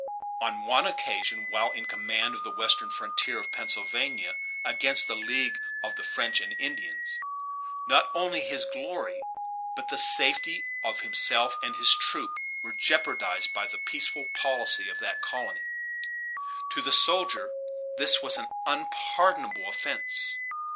On one occasion, while in command on the western frontier of Pennsylvania against a league of the French and Indians, not only his glory, but the safety of himself and his troops were jeoparded by the peaceful policy of that colony. To the soldier, this was an unpardonable offence.